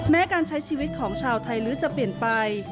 แม้การใช้ชีวิตของชาวไทยลื้อจะเปลี่ยนไป